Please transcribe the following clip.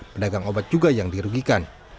pedagang obat juga yang dirugikan